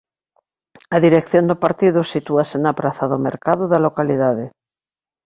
A dirección do partido sitúase na Praza do mercado da localidade.